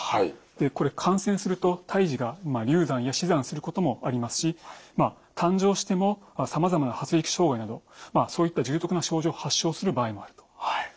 これ感染すると胎児が流産や死産することもありますし誕生してもさまざまな発育障害などそういった重篤な症状を発症する場合もあると。